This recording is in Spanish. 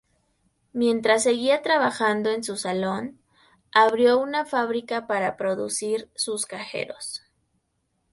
Mientras seguía trabajando en su saloon abrió una fábrica para producir sus cajeros.